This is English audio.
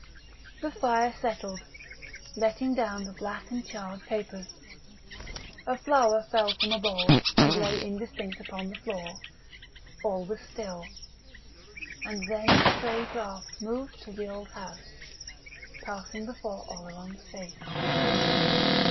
The fire settled, letting down the black and charred papers; a flower fell from a bowl, and lay indistinct upon the floor; all was still; and then a stray draught moved through the old house, passing before Oleron's face....